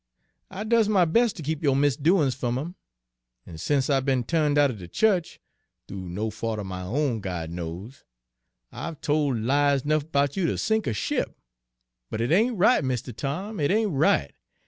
I does my bes' ter keep yo' misdoin's f'm 'im, an' sense I b'en tu'ned out er de chu'ch thoo no fault er my own, God knows! I've tol' lies 'nuff 'bout you ter sink a ship. But it ain't right, Mistuh Tom, it ain't right!